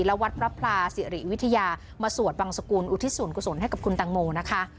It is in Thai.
และวัดพระพลาศิริวิทยามาสวดบังสกุลอุทิศส่วนกุศลให้กับคุณตังโมนะคะ